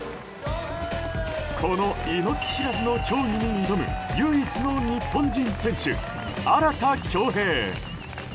この命知らずの競技に挑む唯一の日本人選手、荒田恭兵。